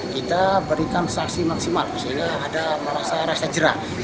kita berikan saksi maksimal sehingga ada rasa jerah